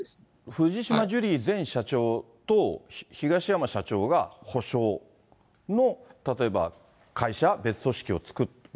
藤島ジュリー前社長と東山社長が補償の、例えば会社、別組織を作る。